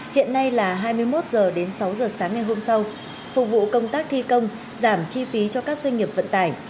hiện nay là hai mươi một h đến sáu h sáng ngày hôm sau phục vụ công tác thi công giảm chi phí cho các doanh nghiệp vận tải